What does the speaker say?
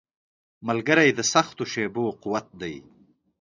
ملګری د سختو شېبو قوت دی.